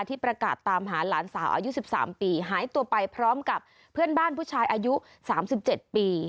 ที่ประกาศตามหาหลานสาวอายุ๑๓ปีหายตัวไปพร้อมกับเพื่อนบ้านผู้ชายอายุ๓๗ปี